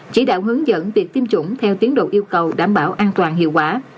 chỉ đạo hướng dẫn việc tiêm chủng theo tiến độ yêu cầu đảm bảo an toàn hiệu quả